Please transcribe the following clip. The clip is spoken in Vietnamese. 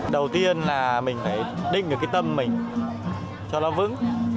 đầu tiên là mình phải định được cái tâm mình cho nó vững